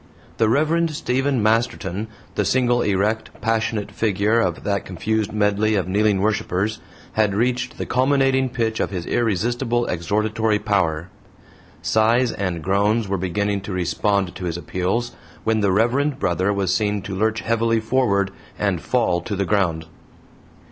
The Reverend Stephen Masterton, the single erect, passionate figure of that confused medley of kneeling worshipers, had reached the culminating pitch of his irresistible exhortatory power. Sighs and groans were beginning to respond to his appeals, when the reverend brother was seen to lurch heavily forward and fall to the ground.